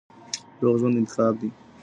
روغ ژوند انتخاب دی.